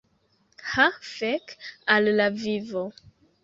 Ha fek al la vivo!